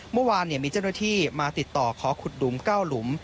เมื่อวานเนี่ยมีเจ้าหน้าที่มาติดต่อขอขุดดุ้มเก้าหลุม